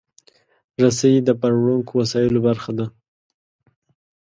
رسۍ د باروړونکو وسایلو برخه ده.